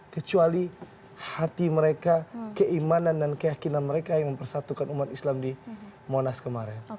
kecuali hati mereka keimanan dan keyakinan mereka yang mempersatukan umat islam di monas kemarin